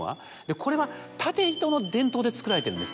これは縦糸の伝統でつくられているんです。